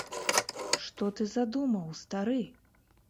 Што ты задумаў, стары?!